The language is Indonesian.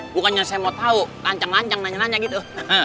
bukannya saya mau tahu lancang lancang nancang nanya gitu